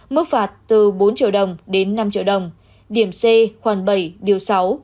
mức phạt từ bốn triệu đồng đến năm triệu đồng điểm c khoảng bảy điều sáu